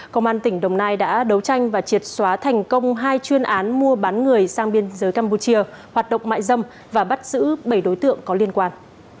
công an tỉnh đồng nai đã đấu tranh và triệt xóa thành công hai chuyên án mua bán người sang biên giới campuchia hoạt động mại dâm và bắt giữ bảy đối tượng có liên quan